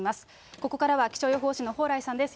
ここからは気象予報士の蓬莱さんです。